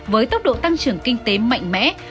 với tốc độ tăng trưởng kinh tế mạnh mẽ